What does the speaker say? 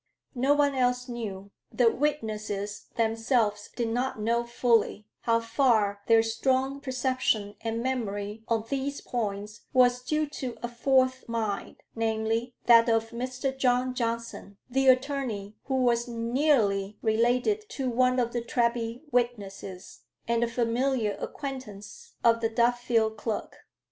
No one else knew the witnesses themselves did not know fully how far their strong perception and memory on these points was due to a fourth mind, namely, that of Mr. John Johnson, the attorney, who was nearly related to one of the Treby witnesses, and a familiar acquaintance of the Duffield clerk.